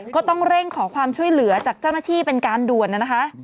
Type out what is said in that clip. ก็ต้องเร่งขอความช่วยเหลือจากเจ้าหน้าที่เป็นการด่วนนะคะ